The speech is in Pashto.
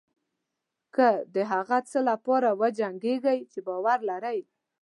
که د هغه څه لپاره وجنګېږئ چې باور لرئ.